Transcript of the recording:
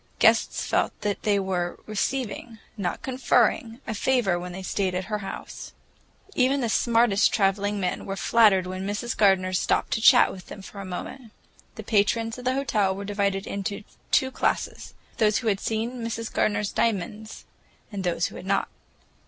Guests felt that they were receiving, not conferring, a favor when they stayed at her house. Even the smartest traveling men were flattered when Mrs. Gardener stopped to chat with them for a moment. The patrons of the hotel were divided into two classes; those who had seen Mrs. Gardener's diamonds, and those who had not.